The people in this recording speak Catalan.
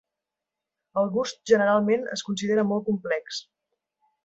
El gust generalment es considera molt complex.